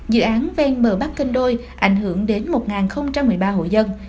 dự án ven bờ bắc kênh đôi ảnh hưởng đến một một mươi ba hộ dân